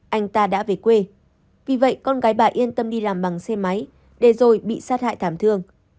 anh ta đã về quê vì vậy con gái bà yên tâm đi làm bằng xe máy để rồi bị sát hại thảm thương